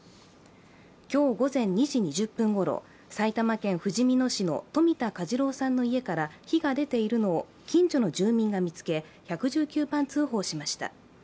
今日午前２時２０分ごろ埼玉県ふじみ野市の冨田嘉次郎さんの家から火が出ているのを近所の住民が見つけ、１１９番通報しました。